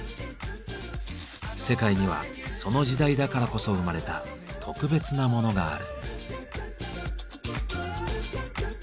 世界にはその時代だからこそ生まれた特別なモノがある。